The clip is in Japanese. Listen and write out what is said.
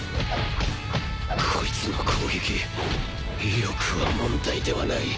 コイツの攻撃威力は問題ではない。